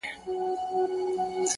نورو ته مي شا کړې ده تاته مخامخ یمه؛